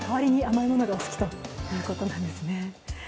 お酒飲まない代わりに甘いものがお好きということなんですね。